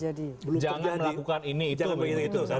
jangan melakukan ini itu